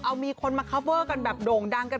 เอามีคนมาคอฟเวอร์กันแบบโด่งดังกัน